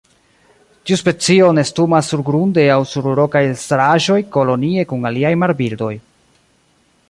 Tiu specio nestumas surgrunde aŭ sur rokaj elstaraĵoj kolonie kun aliaj marbirdoj.